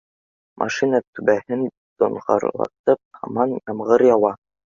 Машина түбәһен доңғорлатып һаман ямғыр яуа